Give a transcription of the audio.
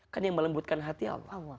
kan yang melembutkan hati allah